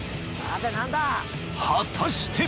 ［果たして］